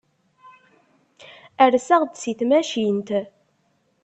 Rseɣ-d si tmacint.